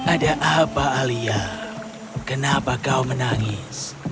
ada apa alia kenapa kau menangis